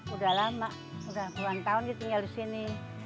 udah lama udah puluhan tahun dia tinggal di sini